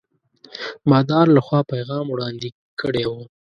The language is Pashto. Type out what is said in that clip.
بادار له خوا پیغام وړاندي کړی وو.